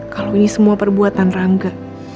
kalau ini semua perbuatan rangga